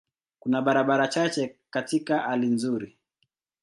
Kuna barabara chache katika hali nzuri.